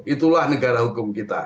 itulah negara hukum kita